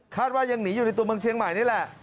คาดว่าอยู่ในตัวเมืองเชียงใหม่นี่แหละ